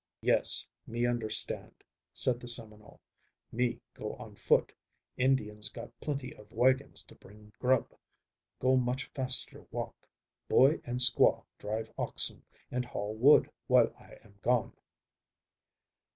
"Yes, me understand," said the Seminole. "Me go on foot. Indians got plenty of wagons to bring grub. Go much faster walk. Boy and squaw drive oxen and haul wood while I am gone."